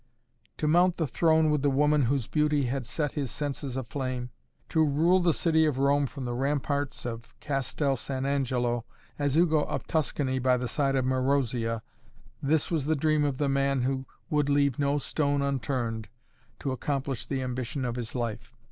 To mount the throne with the woman whose beauty had set his senses aflame, to rule the city of Rome from the ramparts of Castel San Angelo, as Ugo of Tuscany by the side of Marozia, this was the dream of the man who would leave no stone unturned to accomplish the ambition of his life.